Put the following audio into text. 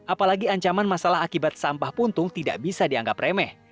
apalagi ancaman masalah akibat sampah puntung tidak bisa dianggap remeh